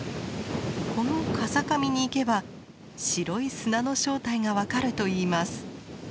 この風上に行けば白い砂の正体が分かるといいます。